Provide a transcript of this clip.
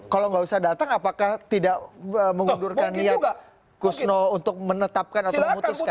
kalau nggak usah datang apakah tidak mengundurkan niat kusno untuk menetapkan atau memutuskan